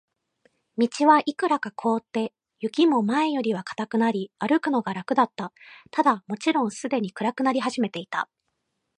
道はいくらか凍って、雪も前よりは固くなり、歩くのが楽だった。ただ、もちろんすでに暗くなり始めていた。